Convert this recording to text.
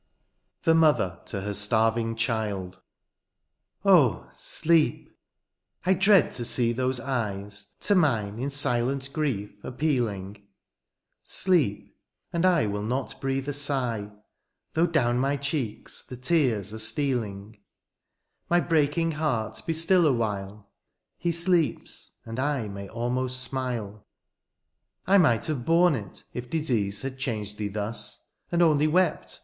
THE MOTHER TO HER STARVING CHILD. Oh ! sleep ; I dread to see those eyes To mme in silent grief appealing ; Sleep^ and I wiU not breathe a sigh^ Though down my cheeks the tears are stealing ; My breaking heart be still awhile. He sleeps, and I may almost smile. THE MOTHER TO HER STARVING CHILD. 171 r —' I might have bom it if disease Had changed thee thus, and only wept.